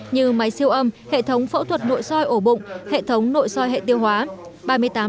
như máy siêu âm hệ thống phẫu thuật nội soi ổ bụng hệ thống nội soi hệ tiêu hóa